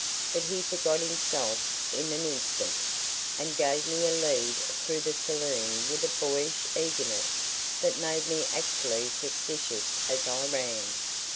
But he forgot himself in an instant, and gave me a lead through the saloon with a boyish eagerness that made me actually suspicious as I ran.